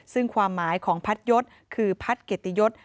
ซึ่งความหมายของพัดยศคือพัดเกตยศ